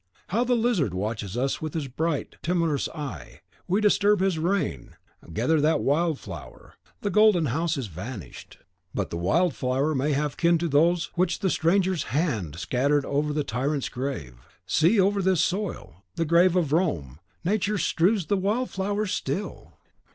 How the lizard watches us with his bright, timorous eye! We disturb his reign. Gather that wild flower: the Golden House is vanished, but the wild flower may have kin to those which the stranger's hand scattered over the tyrant's grave; see, over this soil, the grave of Rome, Nature strews the wild flowers still!